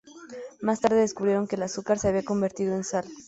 Más tarde descubrieron que el azúcar se había convertido en sal.